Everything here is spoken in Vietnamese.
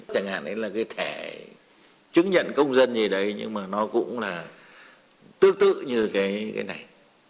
chẳng hạn đấy là cái thẻ chứng nhận công dân gì đấy nhưng mà nó cũng là tương tự như cái này